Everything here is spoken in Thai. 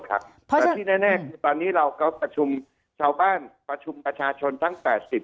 แต่ที่แน่คือตอนนี้เราก็ประชุมชาวบ้านประชุมประชาชนทั้ง๘๐